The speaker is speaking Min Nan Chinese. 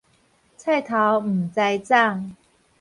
菜頭毋知摠